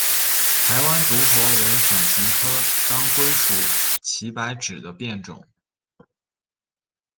台湾独活为伞形科当归属祁白芷的变种。